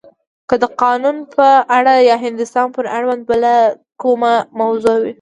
که د قانون په اړه وی یا هندوستان پورې اړونده بله کومه موضوع وی.